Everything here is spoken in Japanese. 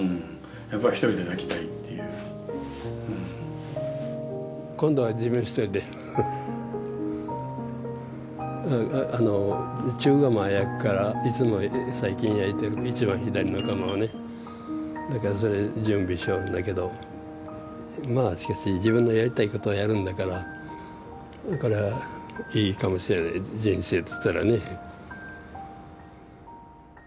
やっぱり一人で焼きたいっていううん今度は自分一人で中窯を焼くからいつも最近焼いてる一番左の窯をねだからそれ準備しよるんだけどしかし自分のやりたいことをやるんだからだからいいかもしれない人生としたらね